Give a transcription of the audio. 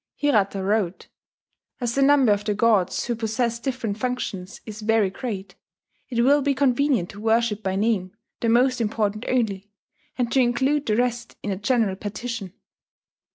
Hirata wrote: "As the number of the gods who possess different functions is very great, it will be convenient to worship by name the most important only, and to include the rest in a general petition."